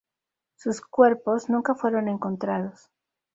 Sus cuerpos nunca fueron encontrados.